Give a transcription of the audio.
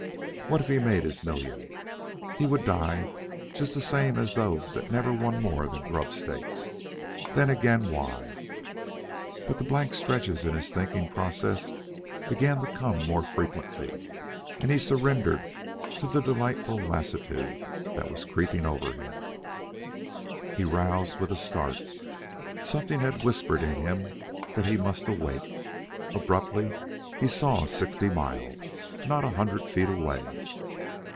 What if he made his million? He would die, just the same as those that never won more than grub stakes. Then again why? But the blank stretches in his thinking process began to come more frequently, and he surrendered to the delightful lassitude that was creeping over him. He roused with a start. Something had whispered in him that he must awake. Abruptly he saw Sixty Mile, not a hundred feet away.